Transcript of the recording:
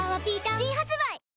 新発売